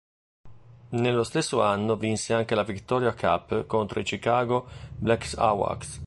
Nello stesso anno vinse anche la Victoria Cup contro i Chicago Blackhawks.